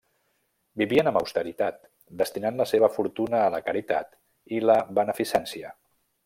Vivien amb austeritat, destinant la seva fortuna a la caritat i la beneficència.